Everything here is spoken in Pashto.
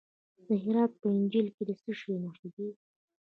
د هرات په انجیل کې د څه شي نښې دي؟